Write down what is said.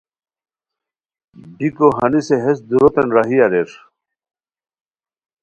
بیکو ہنیسے ہیس دوروتین راہی اریر